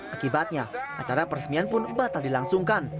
akibatnya acara peresmian pun batal dilangsungkan